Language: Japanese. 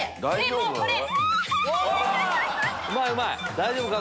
大丈夫か？